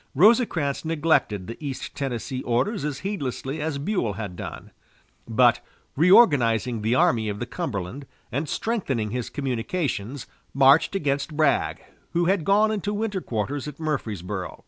Rosecrans neglected the East Tennessee orders as heedlessly as Buell had done; but, reorganizing the Army of the Cumberland and strengthening his communications, marched against Bragg, who had gone into winter quarters at Murfreesboro.